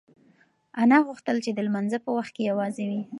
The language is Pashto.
انا غوښتل چې د لمانځه په وخت کې یوازې وي.